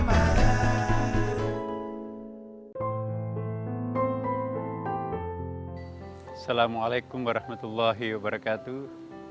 assalamualaikum warahmatullahi wabarakatuh